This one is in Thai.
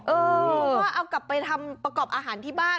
เออก็เอากลับไปทำประกอบอาหารที่บ้าน